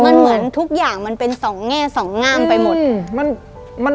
มันเหมือนทุกอย่างมันเป็นสองแง่สองงามไปหมด